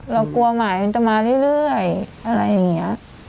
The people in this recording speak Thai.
เรากลัวหมายมันจะมาเรื่อยเรื่อยอะไรอย่างเงี้ย